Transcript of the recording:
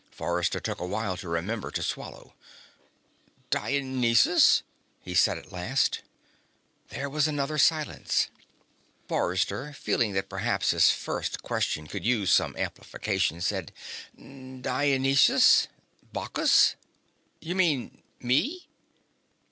Forrester took a while to remember to swallow. "Dionysus?" he said at last. There was another silence. Forrester, feeling that perhaps his first question could use some amplification, said: "Dionysus? Bacchus? You mean me?"